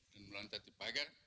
dan melantar di pagar